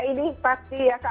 ini pasti ya kak